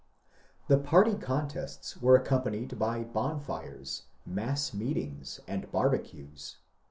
The party contests were accompanied by bonfires, mass meetings, and barbecues.